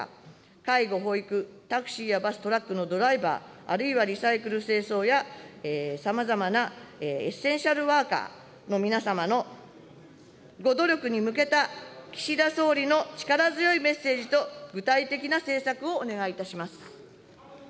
介護・保育、タクシーやバス、トラックのドライバー、あるいはリサイクル、清掃や、さまざまなエッセンシャルワーカーの皆様のご努力に向けた、岸田総理の力強いメッセージと、具体的な政策をお願いいたします。